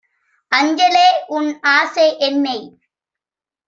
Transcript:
"அஞ்சலை, உன்ஆசை - என்னை